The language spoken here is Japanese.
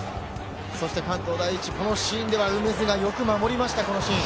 関東第一、このシーンでは梅津がよく守りました、このシーン。